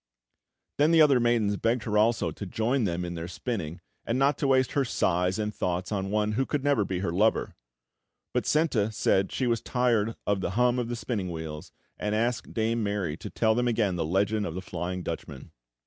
Then the other maidens begged her also to join them in their spinning, and not to waste her sighs and thoughts on one who could never be her lover; but Senta said she was tired of the hum of spinning wheels, and asked Dame Mary to tell them again the legend of the Flying Dutchman.